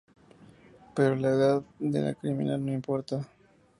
Pero la edad de la criminal no importa